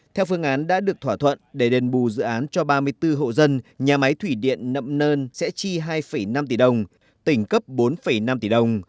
theo phương án đã được thỏa thuận để đền bù dự án cho ba mươi bốn hộ dân nhà máy thủy điện nậm nơn sẽ chi hai năm tỷ đồng tỉnh cấp bốn năm tỷ đồng